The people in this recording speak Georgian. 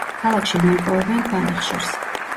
ქალაქში მოიპოვებენ ქვანახშირს.